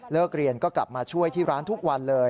เรียนก็กลับมาช่วยที่ร้านทุกวันเลย